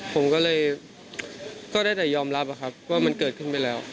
ผมก็เลยก็ได้แต่ยอมรับว่ามันเกิดขึ้นไปแล้ว